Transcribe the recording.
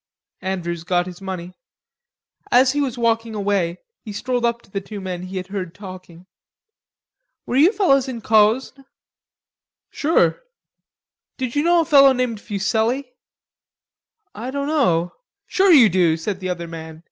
Andrews got his money. As he was walking away, he strolled up to the two men he had heard talking. "Were you fellows in Cosne?" "Sure." "Did you know a fellow named Fuselli?" "I dunno...." "Sure, you do," said the other man.